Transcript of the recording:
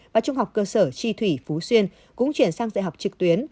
và trung học cơ sở chi thủy phú xuyên cũng chuyển sang dạy học trực tuyến